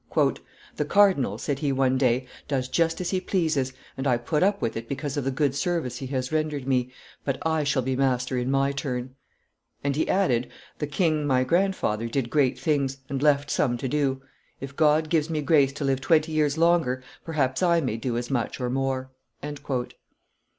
371.] "The cardinal," said he one day, "does just as he pleases, and I put up with it because of the good service he has rendered me, but I shall be master in my turn;" and he added, "the king my grandfather did great things, and left some to do; if God gives me grace to live twenty years longer, perhaps I may do as much or more."